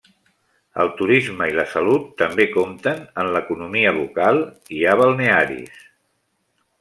El turisme i la salut també compten en l'economia local, hi ha balnearis.